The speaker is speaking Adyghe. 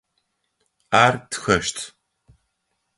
Ар тхэщт.